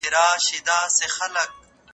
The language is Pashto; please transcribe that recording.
مطالعه زما د ژوند لویه برخه ده.